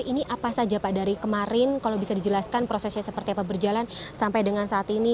ini apa saja pak dari kemarin kalau bisa dijelaskan prosesnya seperti apa berjalan sampai dengan saat ini